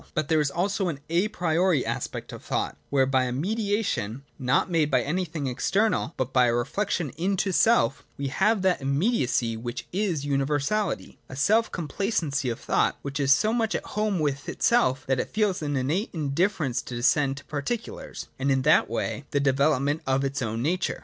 But there is also an a priori aspect of thought, where by a mediation, not made by anything external but by a reflection into self we have that immediacy which is universality, the self complacency of thought which is so much at home with itself that it feels an innate in difference to descend to particulars, and in that way to the development of its own nature.